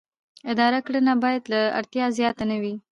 اداري کړنه باید له اړتیا زیاته نه وي.